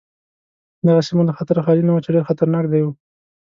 دغه سیمه له خطره خالي نه وه چې ډېر خطرناک ځای و.